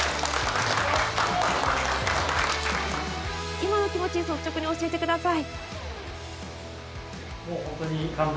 今の気持ち率直に教えてください。